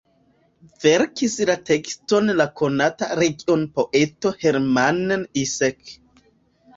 Verkis la tekston la konata regionpoeto Hermann Iseke.